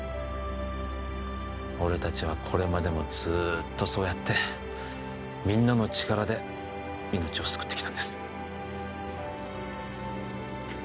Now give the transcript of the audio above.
俺達はこれまでもずっとそうやってみんなの力で命を救ってきたんです